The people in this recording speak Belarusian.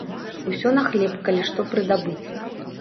Усё на хлеб, калі што прыдабыць.